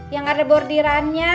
yang ada bordirannya